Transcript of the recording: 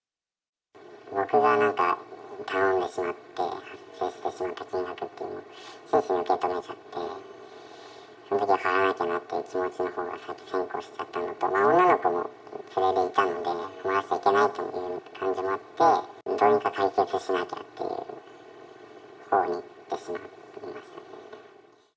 僕がなんか、頼んでしまって、発生してしまった金額と、真摯に受け止めちゃって、そのときは払わなきゃって気持ちのほうが先行しちゃったのと、女の子も連れていたので、困らせちゃいけないという感じもあって、どうにか解決しなきゃっていうほうに行ってしまいましたね。